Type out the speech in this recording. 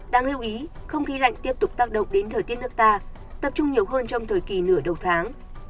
đáng lưu ý không khí lạnh tiếp tục tác động đến thời tiết nước ta tập trung nhiều hơn trong thời kỳ nửa đầu tháng